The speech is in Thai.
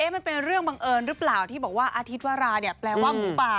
มันเป็นเรื่องบังเอิญหรือเปล่าที่บอกว่าอาทิตย์วราเนี่ยแปลว่าหมูป่า